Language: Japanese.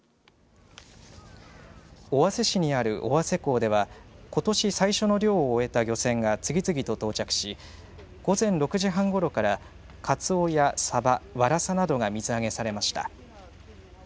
尾鷲市にある尾鷲港ではことし最初の漁を終えた漁船が次々と到着し午前６時半ごろからかつおや、さばわらさなどが水揚げされました。